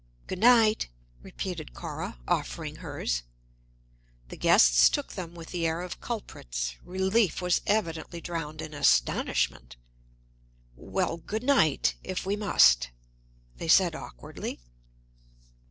"Good night," repeated Cora, offering hers. The guests took them with the air of culprits; relief was evidently drowned in astonishment. "Well, good night if we must," they said awkwardly.